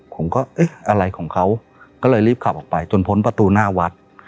ผมก็เอ๊ะอะไรของเขาก็เลยรีบขับออกไปจนพ้นประตูหน้าวัด